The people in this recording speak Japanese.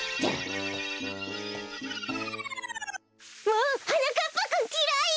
もうはなかっぱくんきらい！